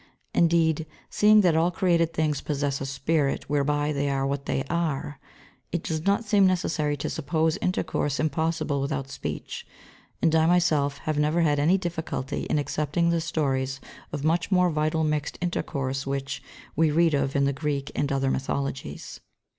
Indeed, seeing that all created things possess a spirit whereby they are what they are, it does not seem necessary to suppose intercourse impossible without speech, and I myself have never had any difficulty in accepting the stories of much more vital mixed intercourse which we read of in the Greek and other mythologies.